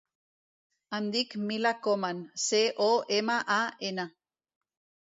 Em dic Mila Coman: ce, o, ema, a, ena.